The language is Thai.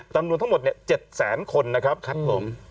ดำนวนทั้งหมดเนี่ยเจ็ดแสนคนนะครับครับผม